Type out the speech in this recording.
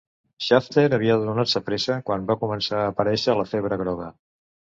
Shafter havia de donar-se pressa quan va començar a aparèixer la febre groga.